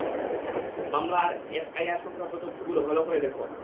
মামলা আর এফআইআর সংক্রান্ত তথ্য গুলো ভালো করে দেখো।